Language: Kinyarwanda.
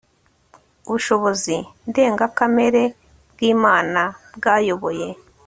Ubushobozi ndengakamere bwImana bwayoboye